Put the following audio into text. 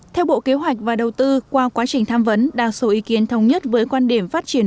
theo bộ kế hoạch và đầu tư qua quá trình tham vấn đa số ý kiến thống nhất với quan điểm phát triển